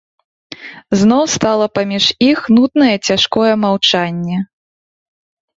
Зноў стала паміж іх нуднае цяжкое маўчанне.